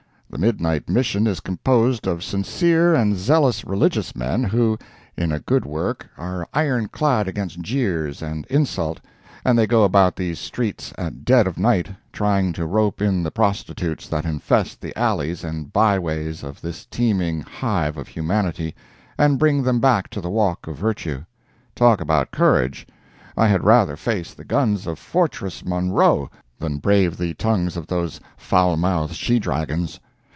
The Midnight Mission is composed of sincere and zealous religious men who, in a good work, are ironclad against jeers and insult, and they go about these streets at dead of night, trying to rope in the prostitutes that infest the alleys and byways of this teeming hive of humanity, and bring them back to the walk of virtue. Talk about courage! I had rather face the guns of Fortress Monroe than brave the tongues of those foul mouthed she dragons.